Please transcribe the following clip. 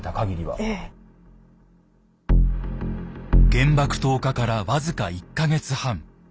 原爆投下から僅か１か月半。